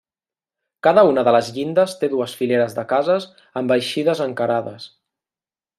Cada una de les llindes té dues fileres de cases amb eixides encarades.